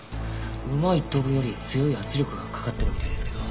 馬１頭分より強い圧力がかかってるみたいですけど。